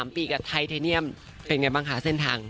๓ปีกับไทเทเนียมเป็นไงบ้างคะเส้นทาง